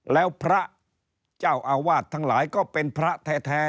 แล้วพระเจ้าอาวาสทั้งหลายก็เป็นพระแท้